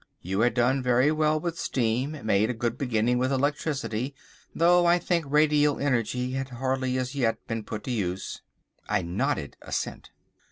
You had done very well with steam, made a good beginning with electricity, though I think radial energy had hardly as yet been put to use." I nodded assent.